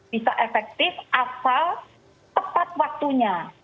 bisa efektif asal tepat waktunya